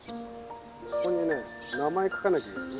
ここにね名前書かなきゃいけない。